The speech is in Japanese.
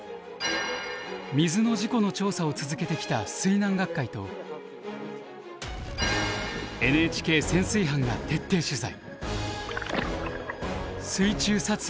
水の事故の調査を続けてきた水難学会とＮＨＫ潜水班が徹底取材。